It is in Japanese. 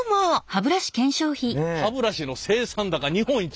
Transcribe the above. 「歯ブラシの生産高日本一」。